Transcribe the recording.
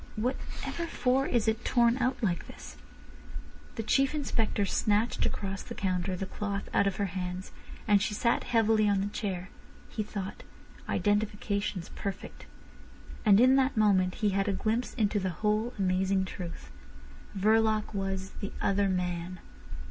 "Whatever for is it torn out like this?" The Chief Inspector snatched across the counter the cloth out of her hands, and she sat heavily on the chair. He thought: identification's perfect. And in that moment he had a glimpse into the whole amazing truth. Verloc was the "other man."